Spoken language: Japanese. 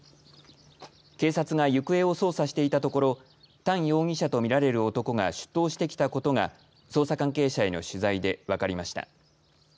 警察が行方を捜査していたところ唐容疑者とみられる男が出頭してきたことが捜査関係者への取材で分かりました。